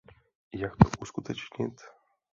Jak to uskutečnit?